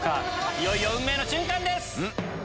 いよいよ運命の瞬間です！